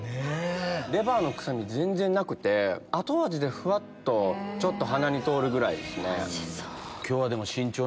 レバーの臭み全然なくて後味でふわっとちょっと鼻に通るぐらいですね。